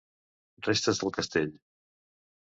Restes del castell.